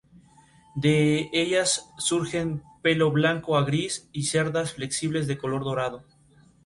No hubo muertes a bordo del Celtic, pero sí las hubo en el Britannic.